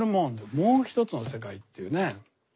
「もうひとつの世界」っていうね。